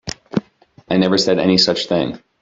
I never said any such thing.